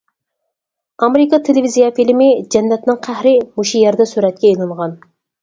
ئامېرىكا تېلېۋىزىيە فىلىمى «جەننەتنىڭ قەھرى» مۇشۇ يەردە سۈرەتكە ئېلىنغان.